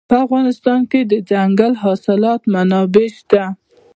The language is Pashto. په افغانستان کې د دځنګل حاصلات منابع شته.